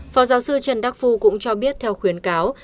phó giáo sư trần đắc phu cũng cho biết theo khuyến cáo